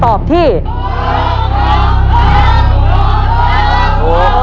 คุณฝนจากชายบรรยาย